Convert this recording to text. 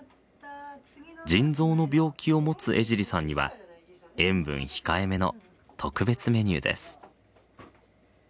腎臓の病気を持つ江尻さんには塩分控えめの特別メニューです。